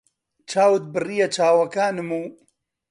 چاوت بڕیە چاوەکانم و